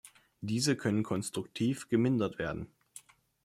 Diese können konstruktiv gemindert werden.